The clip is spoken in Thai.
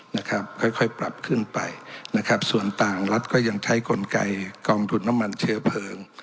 นะครับค่อยค่อยปรับขึ้นไปนะครับส่วนต่างรัฐก็ยังใช้กลไกกองทุนน้ำมันเชื้อเพลิง